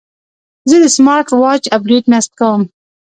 زه د سمارټ واچ اپډیټ نصب کوم.